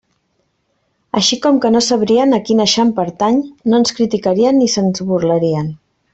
Així, com que no sabrien a quin eixam pertany, no ens criticarien ni se'ns burlarien.